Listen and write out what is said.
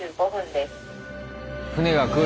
あ船が来る。